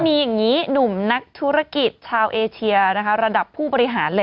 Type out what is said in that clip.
มีอย่างนี้หนุ่มนักธุรกิจชาวเอเชียระดับผู้บริหารเลย